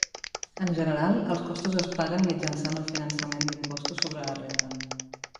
En general, els costos es paguen mitjançant el finançament d'impostos sobre la renda.